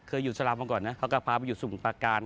เคยอยู่สลับเมื่อก่อนนะเขาก็พาไปอยู่สมุขปาการ